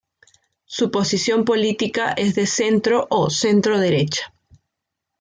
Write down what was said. Su posición política es de centro o centro-derecha.